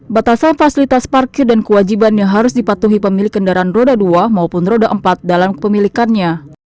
batasan fasilitas parkir dan kewajiban yang harus dipatuhi pemilik kendaraan roda dua maupun roda empat dalam kepemilikannya